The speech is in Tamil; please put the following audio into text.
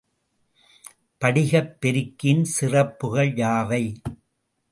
படிகப்பெருக்கியின் சிறப்புகள் யாவை?